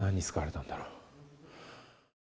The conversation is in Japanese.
何に使われたんだろう。